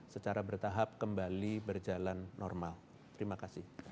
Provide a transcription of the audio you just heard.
secara bertahap kembali berjalan normal terima kasih